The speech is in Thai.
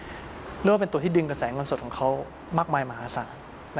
เรียกว่าเป็นตัวที่ดึงกระแสเงินสดของเขามากมายมหาศาล